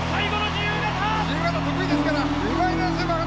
自由形得意ですから。